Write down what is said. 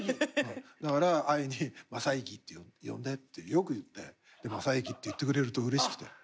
だからＡＩに「まさいき」って呼んでってよく言って「まさいき」って言ってくれるとうれしくて。